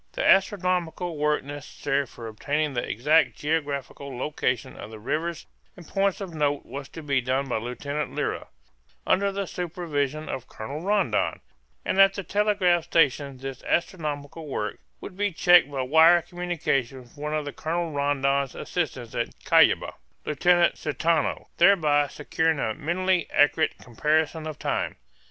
The astronomical work necessary for obtaining the exact geographical location of the rivers and points of note was to be done by Lieutenant Lyra, under the supervision of Colonel Rondon; and at the telegraph stations this astronomical work would be checked by wire communications with one of Colonel Rondon's assistants at Cuyaba, Lieutenant Caetano, thereby securing a minutely accurate comparison of time.